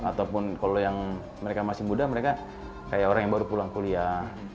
ataupun kalau yang mereka masih muda mereka kayak orang yang baru pulang kuliah